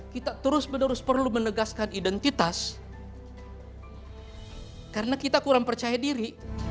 kita terus menerus perlu menegaskan identitas karena kita kurang percaya diri